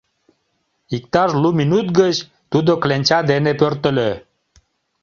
Иктаж лу минут гыч тудо кленча дене пӧртыльӧ.